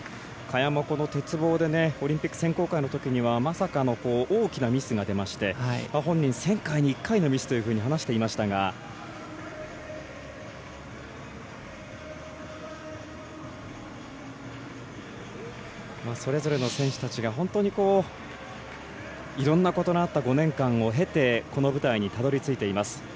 萱も鉄棒でオリンピック選考会ではまさかの大きなミスが出まして本人、１０００回に１回のミスというふうに話していましたがそれぞれの選手たちが本当にいろんなことのあった５年間を経てこの舞台にたどりついています。